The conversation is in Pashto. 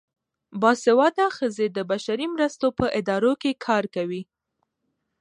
باسواده ښځې د بشري مرستو په ادارو کې کار کوي.